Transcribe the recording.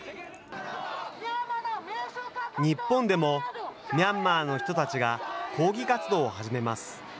日本でもミャンマーの人たちが抗議活動を始めます。